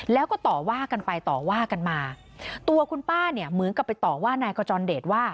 แล้วก็ต่อว่ากันไปต่อว่ากันมาตัวคุณป้าเนี่ยเหมือนกับไปต่อว่านายกจรเดชว่า